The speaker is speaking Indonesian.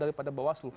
dari pada bawaslu